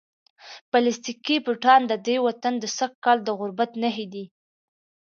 پلاستیکي بوټان د دې وطن د سږکال د غربت نښې دي.